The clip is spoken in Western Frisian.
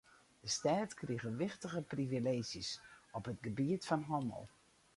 De stêd krige wichtige privileezjes op it gebiet fan hannel.